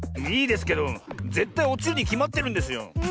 いいですけどぜったいおちるにきまってるんですよ。